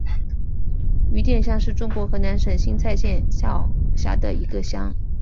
余店乡是中国河南省新蔡县下辖的一个乡。